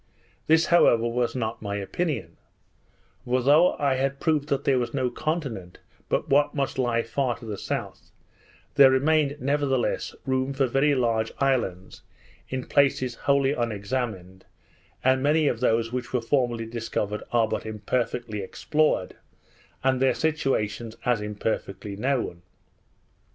This, however, was not my opinion; for though I had proved that there was no continent but what must lie far to the south, there remained nevertheless room for very large islands in places wholly unexamined; and many of those which were formerly discovered, are but imperfectly explored, and their situations as imperfectly known.